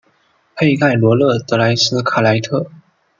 佩盖罗勒德莱斯卡莱特。